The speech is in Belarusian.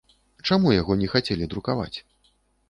Чаму яго не хацелі друкаваць?